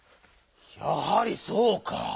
やはりそうか！